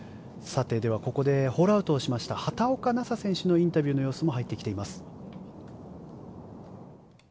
では、ここでホールアウトした畑岡奈紗選手のインタビューの様子も入ってきています。